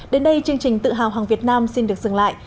đến đây chương trình tự hào hàng việt nam xin được dừng lại